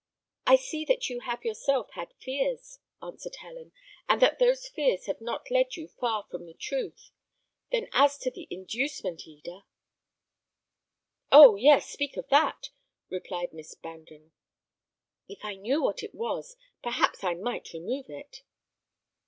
"I see that you have yourself had fears," answered Helen, "and that those fears have not led you far from the truth. Then as to the inducement, Eda " "Oh! yes, speak of that," replied Miss Brandon; "if I knew what it was, perhaps I might remove it."